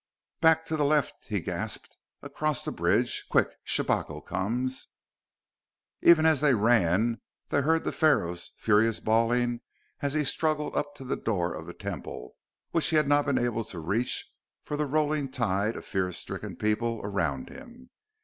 "Back to the left!" she gasped. "Across the bridge! Quick Shabako comes!" Even as they ran, they heard the Pharaoh's furious bawling as he struggled up to the door of the Temple, which he had not been able to reach for the rolling tide of fear stricken people around him.